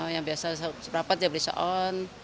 yang biasa seperempat dia beli seon